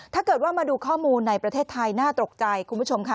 ถ้าเกิดว่ามาดูข้อมูลในประเทศไทยน่าตกใจคุณผู้ชมค่ะ